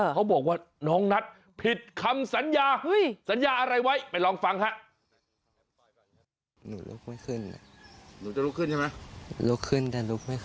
เขาบอกว่าน้องนัทผิดคำสัญญาสัญญาอะไรไว้ไปลองฟังฮะ